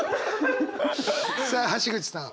さあ橋口さん。